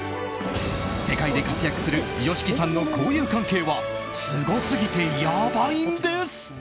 世界で活躍するＹＯＳＨＩＫＩさんの交友関係はすごすぎて、やばいんです。